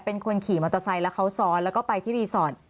เป็นคนขี่มอเตอร์ไซค์แล้วเขาซ้อนแล้วก็ไปที่รีสอร์ท